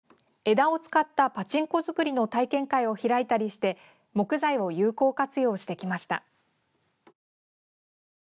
枝を使ったパチンコ作りの体験会を開いたりして木材を有効活用してきました。